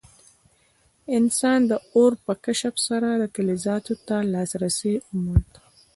انسان د اور په کشف سره فلزاتو ته لاسرسی وموند.